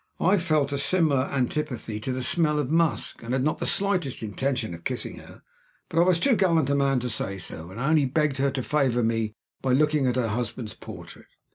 I felt a similar antipathy to the smell of musk, and had not the slightest intention of kissing her; but I was too gallant a man to say so; and I only begged her to favor me by looking at her husband's portrait.